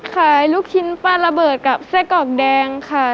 ลูกชิ้นปลาระเบิดกับไส้กรอกแดงค่ะ